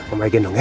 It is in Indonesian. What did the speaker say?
om baik gendong ya